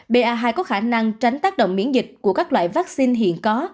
ba hai có khả năng tránh tác động miễn dịch của các loại vaccine hiện có